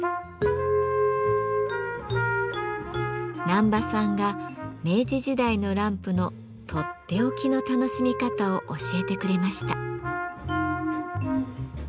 難波さんが明治時代のランプのとっておきの楽しみ方を教えてくれました。